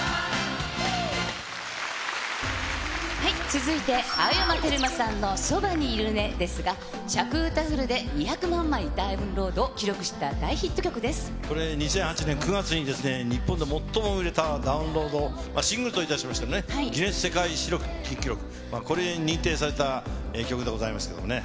続いて青山テルマさんのそばにいるねですが、着うたフルで２００万枚ダウンロードを記録しこれ、２００８年９月に日本で最も売れたダウンロードシングルといたしまして、ギネス世界新記録、これに認定された曲でございますけれどもね。